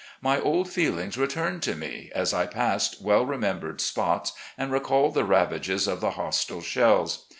My old feelings returned to me, as I passed weU remembered spots and recalled the ravages of the hostile shells.